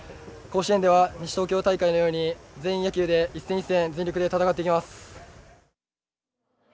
甲子園では、西東京大会のように全員野球で一戦一戦全力で戦っていきます。